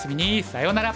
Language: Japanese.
さようなら！